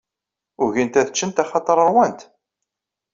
Ugint ad ččent axaṭer rwant.